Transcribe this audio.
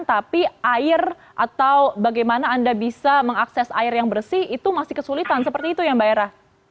tapi air atau bagaimana anda bisa mengakses air yang bersih itu masih kesulitan seperti itu ya mbak era